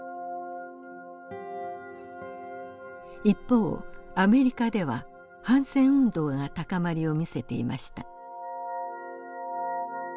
一方アメリカでは反戦運動が高まりを見せていました。